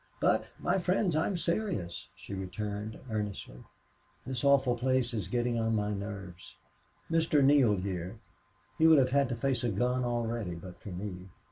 "But, my friends, I'm serious," she returned, earnestly. "This awful place is getting on my nerves.... Mr. Neale here, he would have had to face a gun already but for me."